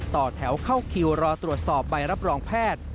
ต่อแถวเข้าคิวรอตรวจสอบใบรับรองแพทย์